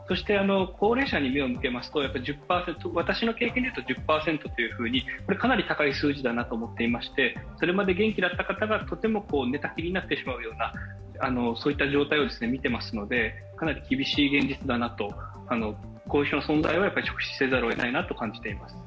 高齢者に目を向けますと私の経験ですと１０％とかなり高い数字だと思っていてそれまで元気だった方が寝たきりになってしまうような状態を見ていますのでかなり厳しい現実だなと後遺症の存在は直視せざるをえないなと感じています。